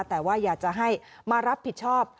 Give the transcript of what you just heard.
แต่ว่าอยากจะให้มารับผิดชอบ